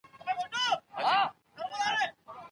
خلک تل سوله ييزو سياسي حل لارو ته هيله من دي.